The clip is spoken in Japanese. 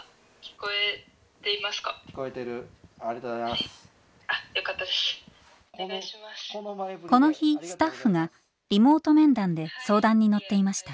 この日スタッフがリモート面談で相談に乗っていました。